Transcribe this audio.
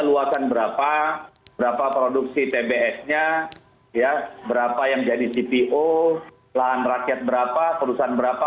luasan berapa berapa produksi tbs nya ya berapa yang jadi cpo lahan rakyat berapa perusahaan berapa